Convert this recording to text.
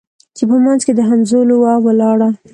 چي په منځ کي د همزولو وه ولاړه